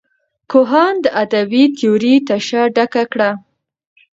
کوهن د ادبي تیورۍ تشه ډکه کړه.